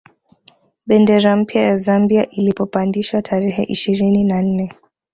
Bendera mpya ya Zambia ilipopandishwa tarehe ishirini na nne